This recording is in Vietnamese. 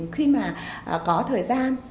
khi mà có thời gian